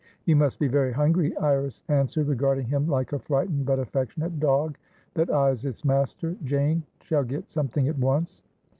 "You must be very hungry," Iris answered, regarding him like a frightened but affectionate dog that eyes its master. "Jane shall get something at once."